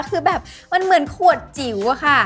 คือแบบมันเหมือนขวดจิ๋วอะค่ะ